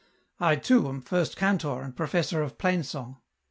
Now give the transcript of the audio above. I too, am first cantor and professor of plain song."